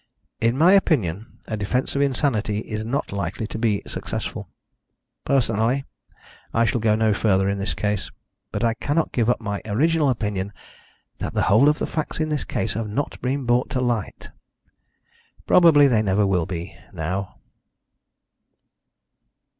In my opinion, a defence of insanity is not likely to be successful. Personally, I shall go no further in the case, but I cannot give up my original opinion that the whole of the facts in this case have not been brought to light. Probably they never will be now."